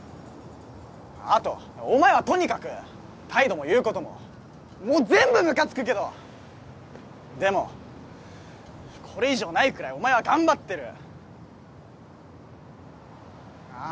あとお前はとにかく態度も言うことも全部ムカつくけどでもこれ以上ないくらいお前は頑張ってるあ